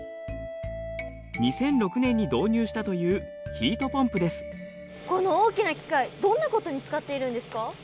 ２００６年に導入したというこの大きな機械どんなことに使っているんですか？